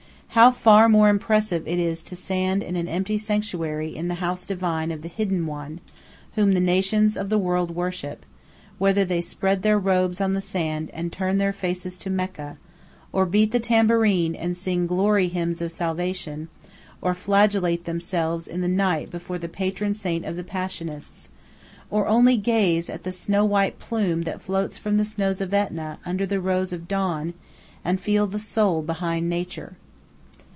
How far more impressive it is to stand in an empty sanctuary in the house divine of "the Hidden One," whom the nations of the world worship, whether they spread their robes on the sand and turn their faces to Mecca, or beat the tambourine and sing "glory hymns" of salvation, or flagellate themselves in the night before the patron saint of the Passionists, or only gaze at the snow white plume that floats from the snows of Etna under the rose of dawn, and feel the soul behind Nature.